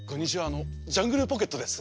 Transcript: あのジャングルポケットです。